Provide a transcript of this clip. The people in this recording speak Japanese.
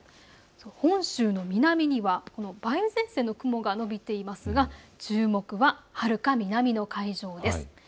本州の南には梅雨前線の雲が延びていますが、注目は、はるか南の海上です。